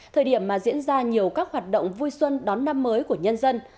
thời điểm mà diễn ra nhiều các hoạt động vui xuân đón năm mới của nhân dân